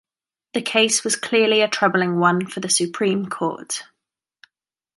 The case was clearly a troubling one for the Supreme Court.